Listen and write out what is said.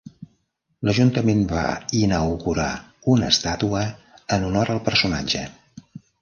L'ajuntament va inaugurar una estàtua en honor al personatge.